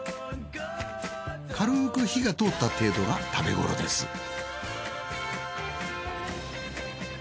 かるく火が通った程度が食べごろです。